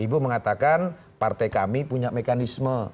ibu mengatakan partai kami punya mekanisme